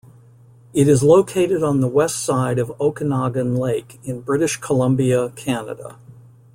It is located on the west side of Okanagan Lake in British Columbia, Canada.